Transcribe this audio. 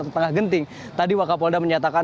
atau tengah genting tadi wakapolda menyatakan